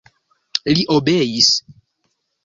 Li obeis.